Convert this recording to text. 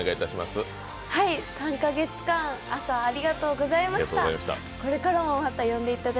３カ月間朝ありがとうございました。